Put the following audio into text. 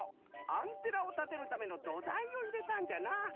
アンテナをたてるためのどだいをいれたんじゃな。